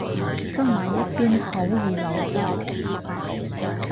側埋一邊好易漏汁